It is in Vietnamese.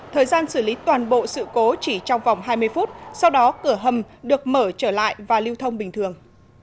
thời gian xử lý toàn bộ sự cố chỉ trong vòng hai mươi phút sau đó cửa hầm được mở trở lại và lưu thông bình thường